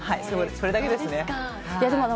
それだけですね。